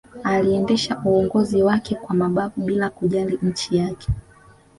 aliendesha uongozi wake kwa mabavu bila kujali nchi yake